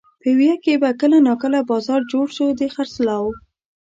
پېوه کې به کله ناکله بازار جوړ شو د خرڅلاو.